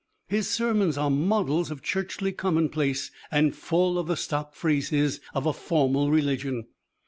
His sermons are models of churchly commonplace and full of the stock phrases of a formal religion.